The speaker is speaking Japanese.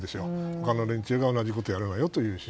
他の連中は同じことをやるなよという。